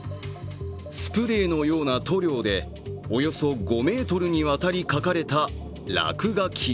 スプレーのような塗料でおよそ５ｍにわたり書かれた落書き。